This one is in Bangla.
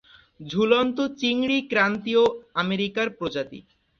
ঝুলন্ত চিংড়ি ক্রান্তীয় আমেরিকার প্রজাতি।